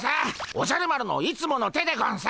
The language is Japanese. おじゃる丸のいつもの手でゴンス。